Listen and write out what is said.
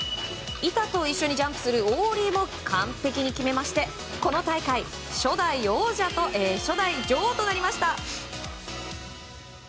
板と一緒にジャンプするオーリーも完璧に決めましてこの大会初代女王となりました。